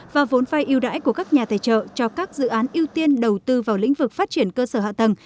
và vốn vai yêu đãi của các nhà tài trợ cho các dự án ưu tiên đầu tư vào lĩnh vực phát triển cơ sở hạ tầng